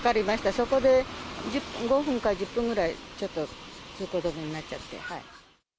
そこで５分か１０分ぐらい、ちょっと通行止めになっちゃって。